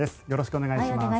お願いします。